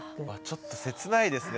ちょっと切ないですね